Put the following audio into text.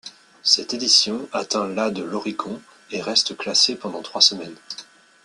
Cette édition atteint la de l'Oricon et reste classée pendant trois semaines.